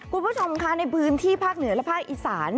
คุณผู้ชมค่ะในพื้นที่ภาคเหนือและภาคอีสาน